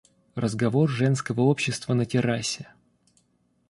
Разговор женского общества на террасе.